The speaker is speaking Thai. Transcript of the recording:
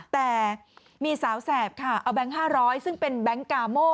แต่มีสาวแสบค่ะเอาแก๊ง๕๐๐ซึ่งเป็นแบงค์กาโม่